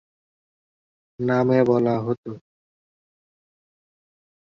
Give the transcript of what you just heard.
নামে বলা হতো।